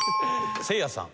せいやさん。